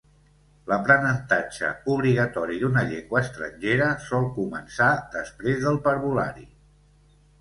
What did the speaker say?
L'aprenentatge obligatori d'una llengua estrangera sol començar després del parvulari.